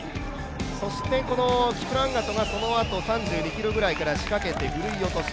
そしてこのキプランガトがそのあと３２ｋｍぐらいから仕掛けてふるい落とし。